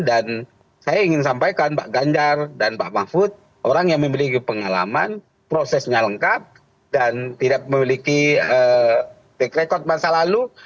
dan saya ingin sampaikan pak ganjar dan pak mafud orang yang memiliki pengalaman prosesnya lengkap dan tidak memiliki tekrekot masa lalu